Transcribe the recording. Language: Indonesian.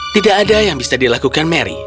tidak ada yang bisa dilakukan mary